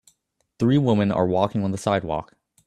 Three women are walking on the sidewalk